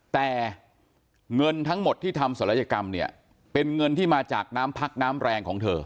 แต่เงินทั้งหมดที่ทำศัลยกรรมเนี่ยเป็นเงินที่มาจากน้ำพักน้ำแรงของเธอ